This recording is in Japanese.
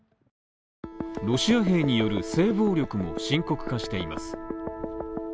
ロシア兵による性暴力も深刻化しています。